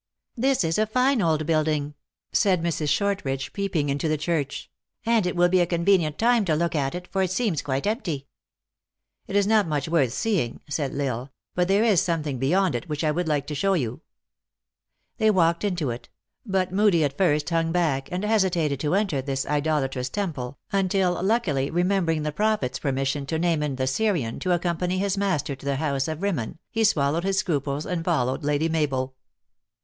" This is a fine old building," said Mrs. Shortridge, peeping into the church, " and it will be a convenient time to look at it, for it seems quite empty." "It is not much worth seeing," said L Isle, "but there is something beyond it which I would like to show you." THE ACTRESS IN HIGH LIFE. 179 They walked into it ; but Moodie at first hung back, and hesitated to enter this idolatrous temple, until, luckily remembering the prophet s permission to Naa man the Syrian to accompany his master to the house of Rimmon, he swallowed his scruples, and followed Lady Mabel.